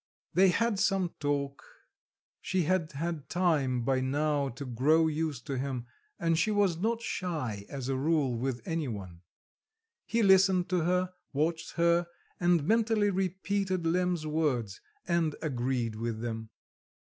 They had some talk; she had had time by now to grow used to him and she was not shy as a rule with any one. He listened to her, watched her, and mentally repeated Lemm's words, and agreed with them.